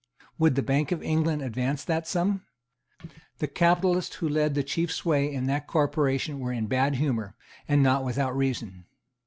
Would the Bank of England advance that sum? The capitalists who lead the chief sway in that corporation were in bad humour, and not without reason.